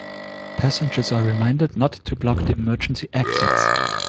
Passengers are reminded not to block the emergency exits.